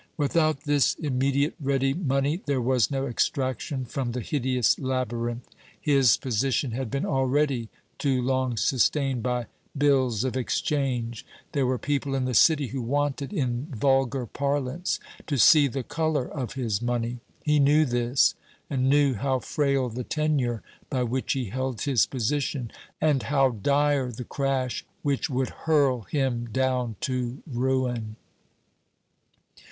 Without this immediate ready money there was no extraction from the hideous labyrinth. His position had been already too long sustained by bills of exchange. There were people in the City who wanted, in vulgar parlance, to see the colour of his money. He knew this and knew how frail the tenure by which he held his position, and how dire the crash which would hurl him down to ruin.